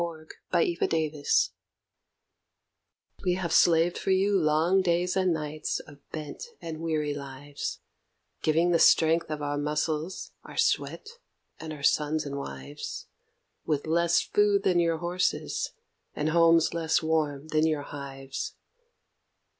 The Labourers' Hymn We have slaved for you long days and nights of bent and weary lives; Giving the strength of our muscles, our sweat, and our sons and wives; With less food than your horses, and homes less warm than your hives.